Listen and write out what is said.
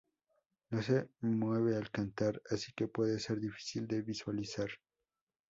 No se mueve al cantar, así que puede ser difícil de visualizar.